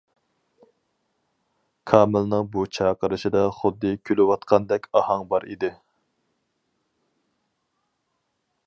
كامىلنىڭ بۇ چاقىرىشىدا خۇددى كۈلۈۋاتقاندەك ئاھاڭ بار ئىدى.